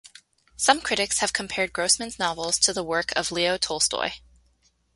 Some critics have compared Grossman's novels to the work of Leo Tolstoy.